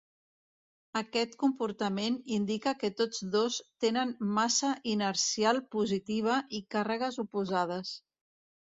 Aquest comportament indica que tots dos tenen massa inercial positiva i càrregues oposades.